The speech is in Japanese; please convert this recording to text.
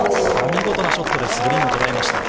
見事なショットです、グリーンを捉えました。